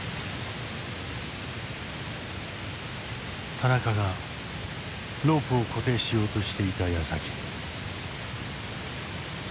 田中がロープを固定しようとしていたやさき。